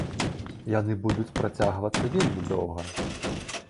Яны будуць працягвацца вельмі доўга.